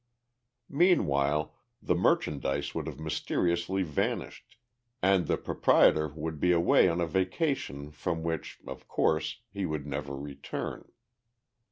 Meanwhile the merchandise would have mysteriously vanished and the proprietor would be away on a "vacation" from which, of course, he would never return.